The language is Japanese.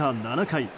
７回。